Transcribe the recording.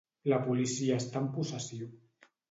La policia està en possessió.